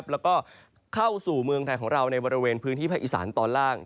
แล้วก็เข้าสู่เมืองไทยของเราในบริเวณพื้นที่ภาคอีสานตอนล่าง